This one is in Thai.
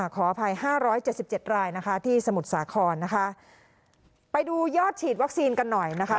ขออภัย๕๗๗รายนะคะที่สมุทรสาครนะคะไปดูยอดฉีดวัคซีนกันหน่อยนะคะ